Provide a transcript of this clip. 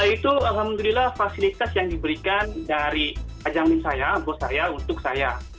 itu alhamdulillah fasilitas yang diberikan dari ajamin saya bos saya untuk saya